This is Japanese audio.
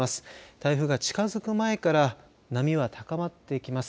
台風が近づく前から波は高まってきます。